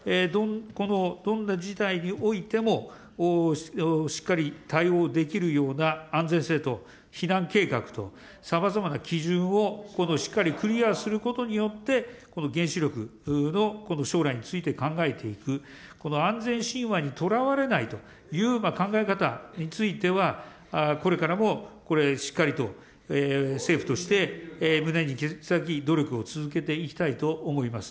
どんな事態においても、しっかり対応できるような安全性と、避難計画と、さまざまな基準をしっかりクリアすることによって、原子力の将来について考えていく、安全神話にとらわれないという考え方については、これからもしっかりと、政府として胸に刻み努力を続けていきたいと思います。